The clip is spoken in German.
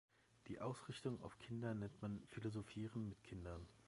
Die Ausrichtung auf Kinder nennt man Philosophieren mit Kindern.